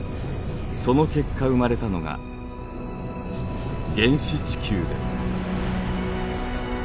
その結果生まれたのが原始地球です。